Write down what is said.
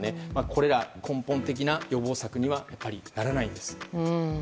これらは根本的な予防策にはならないんです。